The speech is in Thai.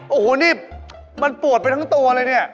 โอ้โหนี่มันปวดไปทั้งตัวเลยเนี่ย